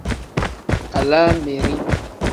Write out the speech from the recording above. Alaameri.